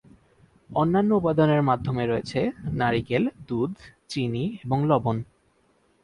অন্যান্য উপাদানের মধ্যে রয়েছে নারিকেল, দুধ, চিনি এবং লবণ।